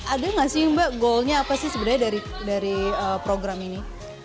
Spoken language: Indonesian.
ada nggak sih mbak goalnya apa sih sebenarnya dari program ini